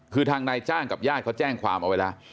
คือทางนายจ้างกับญาติเขาแจ้งความเอาไว้แล้ว